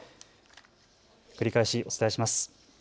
繰り返しお伝えします。